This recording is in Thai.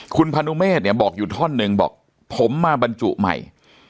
คุณพนุเมฆเนี่ยบอกอยู่ท่อนหนึ่งบอกผมมาบรรจุใหม่